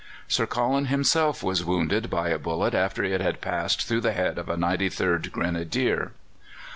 Sir Colin himself was wounded by a bullet after it had passed through the head of a 93rd Grenadier.